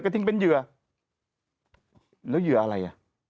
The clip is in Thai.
แล้วเหยื่ออะไร